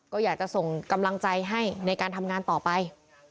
ก็อยากจะส่งกำลังใจให้ในการทำงานต่อไป